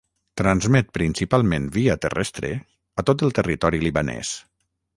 Transmet principalment via terrestre a tot el territori libanès.